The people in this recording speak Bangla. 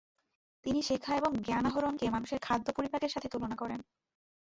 তিনি শেখা এবং জ্ঞান আহরণকে মানুষের খাদ্য-পরিপাকের সাথে তুলনা করেন।